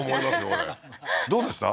これどうでした？